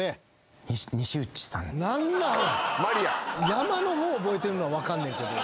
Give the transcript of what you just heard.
「山」の方覚えてんのは分かんねんけど。